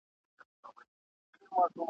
د نړۍ رنګونه هره ورځ بدلیږي ..